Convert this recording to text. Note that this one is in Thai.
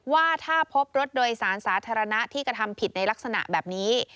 ว่าถ้าพบรถโดยสารสาธารณะที่กระทำผิดในลักษณะแบบนี้